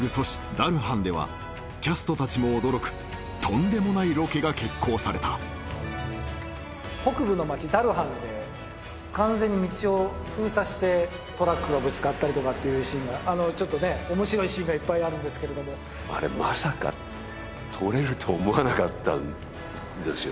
ダルハンではキャストたちも驚くとんでもないロケが決行された北部の町ダルハンでトラックがぶつかったりとかっていうシーンがちょっとね面白いシーンがいっぱいあるんですけれどもあれまさか撮れると思わなかったんですよ